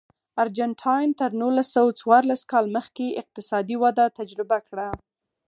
ارجنټاین تر نولس سوه څوارلس کال مخکې اقتصادي وده تجربه کړه.